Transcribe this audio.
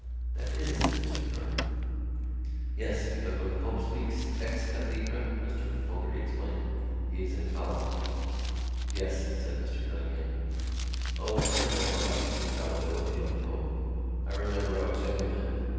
"That is," said Mr Kernan. "Yes, because when the Pope speaks ex cathedra," Mr Fogarty explained, "he is infallible." "Yes," said Mr Cunningham. "O, I know about the infallibility of the Pope. I remember I was younger then....